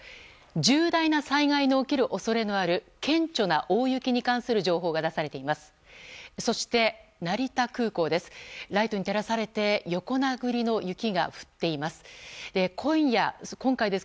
重大な災害の起きる恐れのある顕著な大雪に関する情報が出されています。